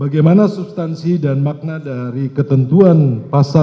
bagaimana substansi dan makna dari ketentuan pasal lima puluh satu